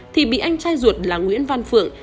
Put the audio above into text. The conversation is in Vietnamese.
thì bị anh trai ruột là nguyễn văn phượng